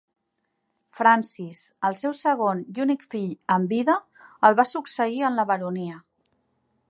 Francis, el seu segon i únic fill amb vida, el va succeir en la baronia.